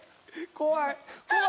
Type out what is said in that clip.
怖い。